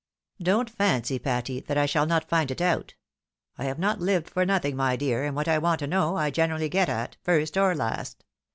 Don't fancy, Patty, that I shall not find it out. I have not lived for nothing, my dear, and what I want to know, I generally get at, first or last.